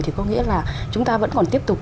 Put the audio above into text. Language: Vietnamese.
thì có nghĩa là chúng ta vẫn còn tiếp tục